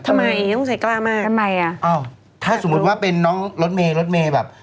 ทำไมต้องใจกล้ามากอ้าวถ้าสมมติว่าเป็นน้องรถเมย์แบบ